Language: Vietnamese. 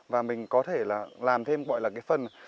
và mình có thể là làm thêm gọi là cái phần